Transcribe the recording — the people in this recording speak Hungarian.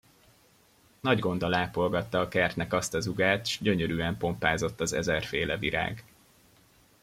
Nagy gonddal ápolgatta a kertnek azt a zugát, s gyönyörűen pompázott az ezerféle virág.